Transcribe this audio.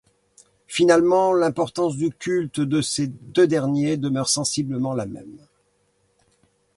Finalement, l'importance du culte de ces deux derniers demeure sensiblement la même.